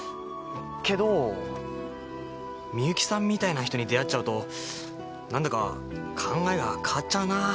けどみゆきさんみたいな人に出会っちゃうと何だか考えが変わっちゃうなぁ。